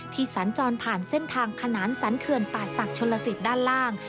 ที่สัญจรผ่านเส้นทางขนานสันเขื่อนปาศักดิ์ชนละศิษย์ด้านล่าง